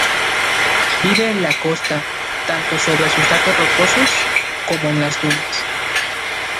Vive en la costa tanto sobre sustratos rocosos como en las dunas.